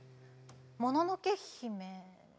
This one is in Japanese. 「もののけ姫」